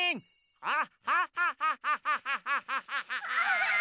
あっ！